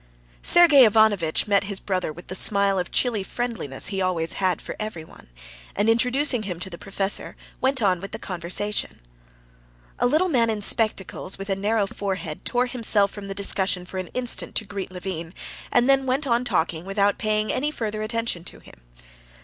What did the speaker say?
Sergey Ivanovitch met his brother with the smile of chilly friendliness he always had for everyone, and introducing him to the professor, went on with the conversation. A little man in spectacles, with a narrow forehead, tore himself from the discussion for an instant to greet Levin, and then went on talking without paying any further attention to him.